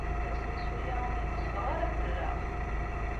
Asensu-a ur yetteffeɣ ara fell-aɣ.